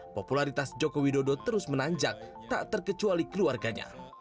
popularitas jokowi dodo terus menanjak tak terkecuali keluarganya